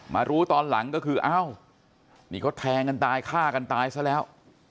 มารู้ตอนหลังก็คืออ้าวนี่เขาแทงกันตายฆ่ากันตายซะแล้ว